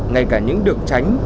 ngay cả những đường tránh